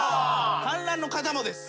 観覧の方もです。